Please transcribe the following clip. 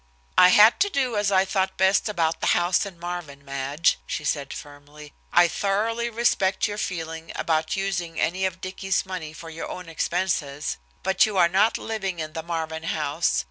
"I had to do as I thought best about the house in Marvin, Madge," she said firmly. "I thoroughly respect your feeling about using any of Dicky's money for your own expenses, but you are not living in the Marvin house.